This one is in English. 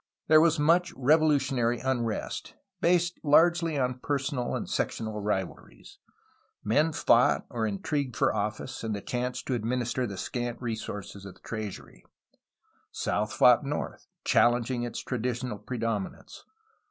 There was much revolutionary um'est, based largely on personal and sectional rivalries. Men fought or intrigued for office and the chance to ad minister the scant resources of the treasury. South fought north, challenging its traditional predominance.